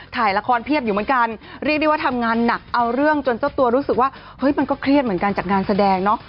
ถ่ายละครเพียบอยู่เหมือนกันเรียกได้ว่าทำงานหนักเอาเรื่องจนเจ้าตัวรู้สึกว่าเฮ้ยมันก็เครียดเหมือนกันจากงานแสดงเนาะ